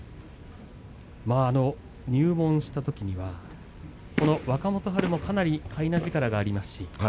入門したときにはこの若元春もかなりかいな力がありました。